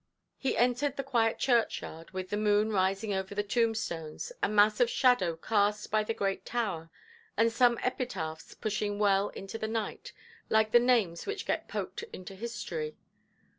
He entered the quiet churchyard, with the moon rising over the tombstones, a mass of shadow cast by the great tower, and some epitaphs pushing well into the light, like the names which get poked into history.